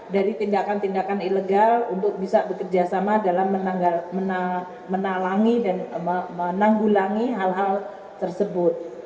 dari tindakan tindakan ilegal untuk bisa bekerjasama dalam menanggulangi hal hal tersebut